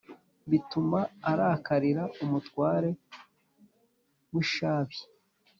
bituma arakarira umutware w'ishabi.